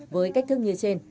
với cách thức như trên